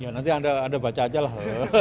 ya nanti anda baca aja lah